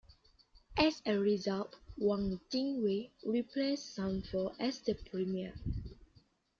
As a result, Wang Jingwei replaced Sun Fo as the Premier.